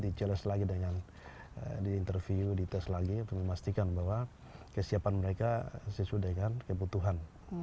dijeles lagi dengan diinterview dites lagi untuk memastikan bahwa kesiapan mereka sesudah dengan kebutuhan